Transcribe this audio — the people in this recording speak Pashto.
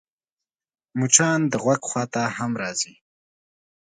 مچان د غوږ خوا ته هم راځي